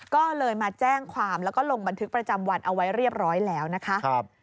ก็เลยมาแจ้งความแล้วก็ลงบันทึกประจำวันเอาไว้เรียบร้อยแล้วนะคะ